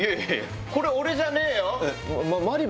これ俺じゃねえよ。